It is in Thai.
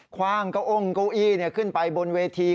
ว่างเก้าอ้งเก้าอี้ขึ้นไปบนเวที